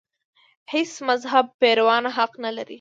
د هېڅ مذهب پیروان حق نه لري.